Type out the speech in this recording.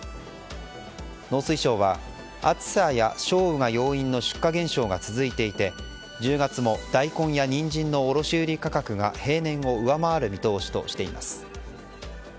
農水省は暑さや少雨が要因の出荷減少が続いていて、１０月もダイコンやニンジンの卸売価格が平年を上回る見通しとしています。